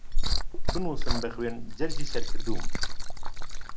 بنووسن بە خوێن جەرگی سەر کردووم